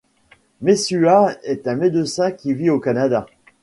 Messua est un médecin qui vit au Canada.